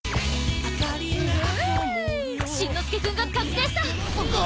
しんのすけくんが覚醒した。